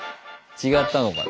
違ったのかな。